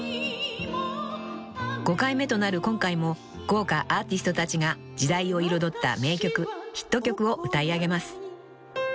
［５回目となる今回も豪華アーティストたちが時代を彩った名曲ヒット曲を歌い上げます］